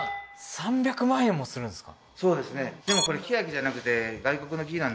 ３００万円もするんですか？